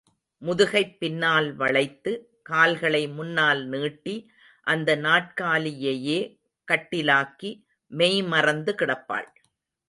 முதுகைப் பின்னால் வளைத்து, கால்களை முன்னால் நீட்டி அந்த நாற்காலியையே கட்டிலாக்கி, மெய்மறந்து கிடப்பாள்.